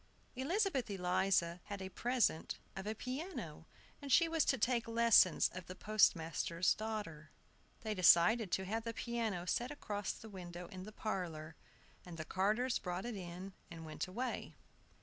ELIZABETH ELIZA had a present of a piano, and she was to take lessons of the postmaster's daughter. They decided to have the piano set across the window in the parlor, and the carters brought it in, and went away.